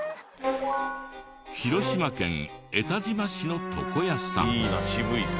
広島県江田島市の床屋さん。